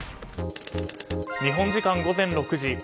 日本時間午前６時。